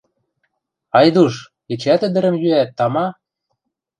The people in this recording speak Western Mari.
Айдуш, эчеӓт ӹдӹрӹм йӱӓт, тама?